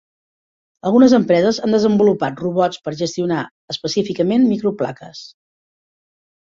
Algunes empreses han desenvolupat robots per gestionar específicament microplaques.